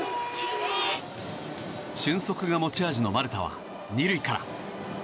俊足が持ち味の丸田は２塁から。